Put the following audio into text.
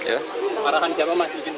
arahan siapa mas